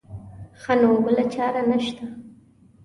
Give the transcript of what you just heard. ښه نو بله چاره نه شته.